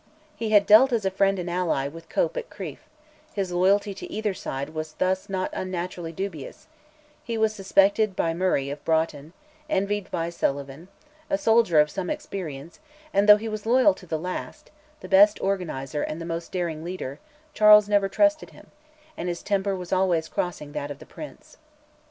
He had dealt as a friend and ally with Cope at Crieff; his loyalty to either side was thus not unnaturally dubious; he was suspected by Murray of Broughton; envied by Sullivan, a soldier of some experience; and though he was loyal to the last, the best organiser, and the most daring leader, Charles never trusted him, and his temper was always crossing that of the Prince.